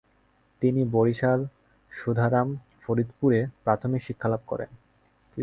তিনি বরিশাল, সুধারাম ও ফরিদপুরে প্রাথমিক শিক্ষালাভ করেন।